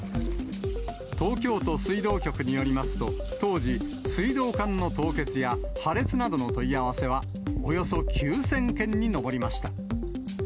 東京都水道局によりますと、当時、水道管の凍結や破裂などの問い合わせは、およそ９０００件に上りました。